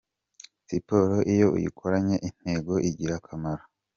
Siporo iyo uyikoranye intego igira akamaro.